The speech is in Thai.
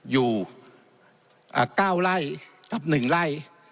อยู่๙ไร่กับ๑ไร่